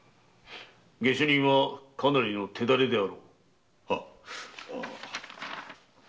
下手人はかなりの手足れであるな。